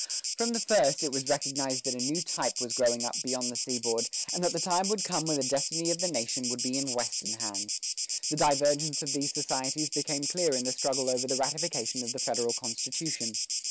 From the first, it was recognized that a new type was growing up beyond the seaboard, and that the time would come when the destiny of the nation would be in Western hands. The divergence of these societies became clear in the struggle over the ratification of the federal constitution.